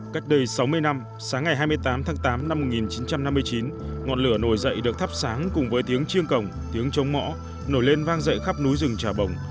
cách đây sáu mươi năm sáng ngày hai mươi tám tháng tám năm một nghìn chín trăm năm mươi chín ngọn lửa nổi dậy được thắp sáng cùng với tiếng chiêng cổng tiếng trống mõ nổi lên vang dậy khắp núi rừng trà bồng